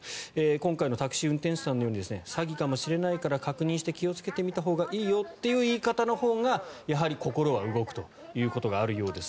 今回のタクシー運転手さんのように詐欺かもしれないから確認して気をつけてみたほうがいいよという言い方のほうがやはり心は動くということがあるようです。